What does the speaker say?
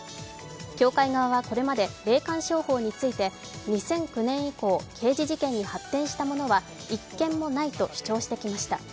教会側はこれまで霊感商法について２００９年以降、刑事事件に発展したものは１件もないと主張してきました。